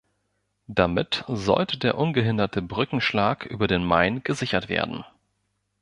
Damit sollte der ungehinderte Brückenschlag über den Main gesichert werden.